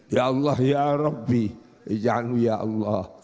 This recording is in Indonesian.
ya allah ya rabbi yanu ya allah